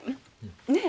ねえ？